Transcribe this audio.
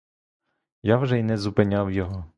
Я вже й не зупиняв його.